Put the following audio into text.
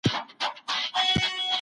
په دې ویاله کي